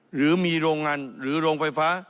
หรือมีโรงงานหรือโรงไฟฟ้า